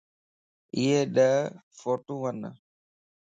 ايي ڏھه ڦوٽوون